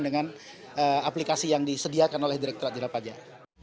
dengan aplikasi yang disediakan oleh direkturat jenderal pajak